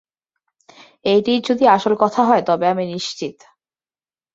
এইটেই যদি আসল কথা হয় তবে আমি নিশ্চিত।